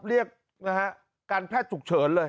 เรียบการแพทย์ฉุกเฉินเลย